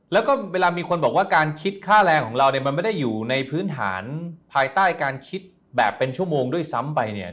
แล้วก็เวลามีคนบอกว่าการคิดค่าแรงของเราเนี่ยมันไม่ได้อยู่ในพื้นฐานภายใต้การคิดแบบเป็นชั่วโมงด้วยซ้ำไปเนี่ย